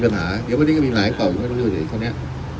ปัญหาเดี๋ยววันนี้ก็มีหลายตอบอยู่มาดูสิท่านเนี้ย